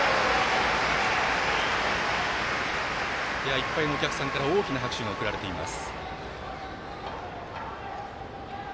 いっぱいのお客さんから大きな拍手が送られています。